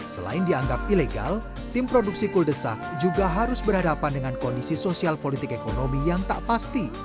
selain dianggap ilegal tim produksi kuldesak juga harus berhadapan dengan kondisi sosial politik ekonomi yang tak pasti